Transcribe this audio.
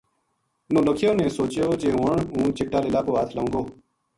نولکھیو نے سوچیو جی ہن ہوں چِٹا لیلا پو ہتھ لائوں گو